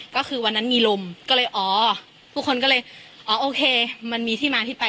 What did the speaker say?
ก็คือวันนั้นมีลมก็เลยอ๋อผู้คนก็เลยอ๋อโอเคมันมีที่มาที่ไป